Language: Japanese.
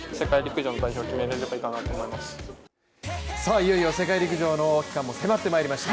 いよいよ世界陸上の期間も迫ってまいりました。